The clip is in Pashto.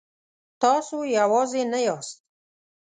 تاسو یوازې نه یاست.